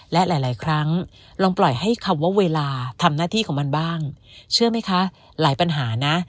และหลายครั้งลองปล่อยให้คำว่าเวลาทำหน้าที่ของมันบ้างเชื่อไหมคะหลายปัญหานะ